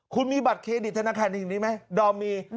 คุณมีบัตรเครดิตธนาคารอย่างนี้ไหมดอมมี